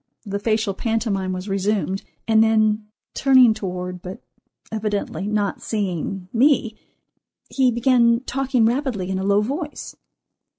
The facial pantomime was resumed, and then turning toward, but evidently not seeing, me, he began talking rapidly in a low voice.